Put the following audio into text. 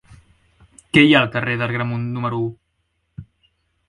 Què hi ha al carrer d'Agramunt número u?